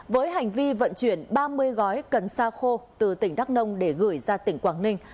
với hành vi vận chuyển ba mươi gói cần sa khô từ tỉnh đắk nông để gửi ra tỉnh quảng ninh